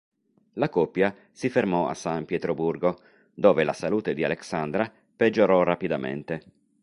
La coppia si fermò a San Pietroburgo, dove la salute di Aleksandra peggiorò rapidamente.